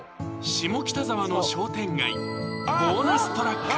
下北沢の商店街